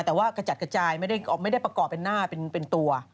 แต่ว่ากระจัดกระจายไม่ได้ประกอบเป็นหน้าเป็นตัว